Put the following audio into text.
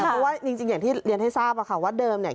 เพราะว่าจริงอย่างที่เรียนให้ทราบค่ะว่าเดิมเนี่ย